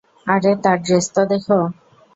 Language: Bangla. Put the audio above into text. আরে তার ড্রেস তো দেখো!